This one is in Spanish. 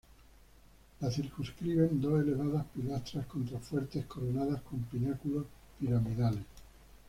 La circunscriben dos elevadas pilastras-contrafuertes coronadas con pináculos piramidales.